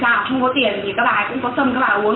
không có tiền thì các bà ái cũng có sâm các bà ái uống rồi